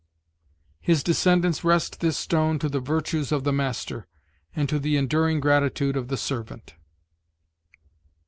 His descendants rest this stone to the virtues of the master, and to the enduring gratitude of the servant."